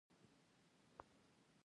د افغانستان د کلتور ټولي برخي تاریخي دي.